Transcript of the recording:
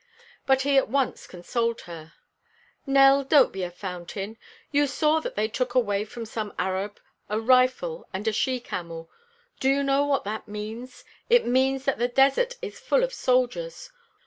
But he at once consoled her. "Nell, don't be a fountain. You saw that they took away from some Arab a rifle and a she camel. Do you know what that means? It means that the desert is full of soldiers.